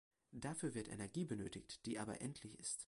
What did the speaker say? Dafür wird Energie benötigt, die aber endlich ist.